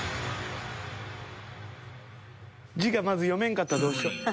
字がまず読めんかったらどうしよ。